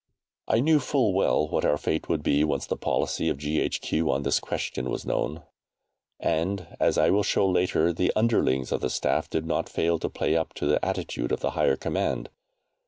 I knew full well what our fate would be once the policy of G.H.Q. on this question was known, and, as I will show later, the underlings of the Staff did not fail to play up to the attitude of the higher command.